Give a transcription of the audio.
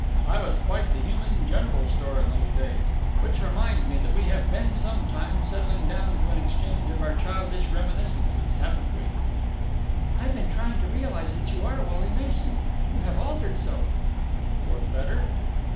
I was quite the human general store in those days. Which reminds me that we have been some time settling down to an exchange of our childish reminiscences, haven't we?" "I've been trying to realize that you are Wally Mason. You have altered so." "For the better?"